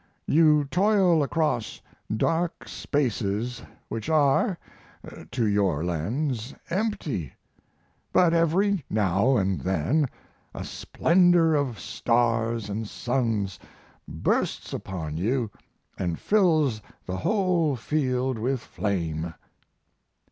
You toil across dark spaces which are (to your lens) empty; but every now & then a splendor of stars & suns bursts upon you and fills the whole field with flame.